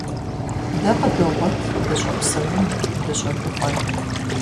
Дэ къыдогъуэт дыщӀэпсэун, дыщӀэгуфӀэн.